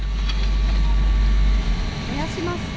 燃やします。